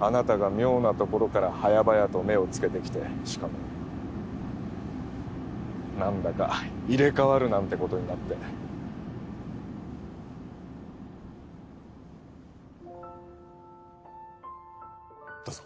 あなたが妙なところから早々と目を付けてきてしかも何だか入れ替わるなんてことになってどうぞ